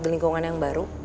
dilingkungan yang baru